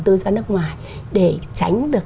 tư cho nước ngoài để tránh được